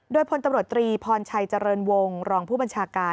โดยพลตำรวจตรีพรชัยเจริญวงศ์รองผู้บัญชาการ